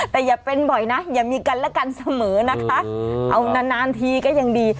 แต่อย่าเป็นบ่อยนะอย่ามีกันและกันเสมอนะคะเอานานทีก็ยังดี